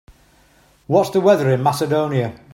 What's the weather in Macedonia